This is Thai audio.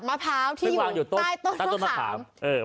มาระกอมงอกจากมะพู้